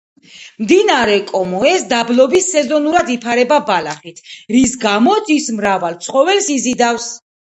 მდინარე კომოეს დაბლობი სეზონურად იფარება ბალახით, რის გამოც ის მრავალ ცხოველს იზიდავს.